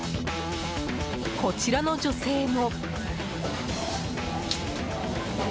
こちらの女性も。